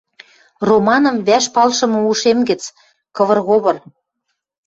Романым вӓш палшымы ушем гӹц — кывыр-говыр